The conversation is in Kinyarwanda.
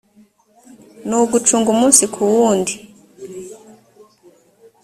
ni ugucunga umunsi ku wundi